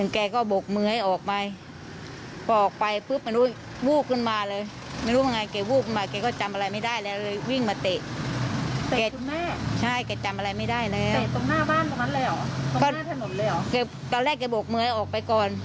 ตอนแรกแกบกมือออกไปก่อนตอนแรกแกจำแต่ติดได้ไง